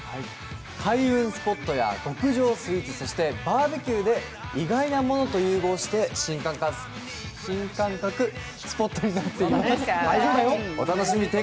開運スポットや極上スイーツ、そしてバーベキューで意外なものと融合して新感覚スポットになっています。